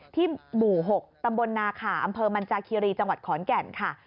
หมู่๖ตำบลนาขาอำเภอมันจาคีรีจังหวัดขอนแก่นค่ะ